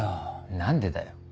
何でだよ。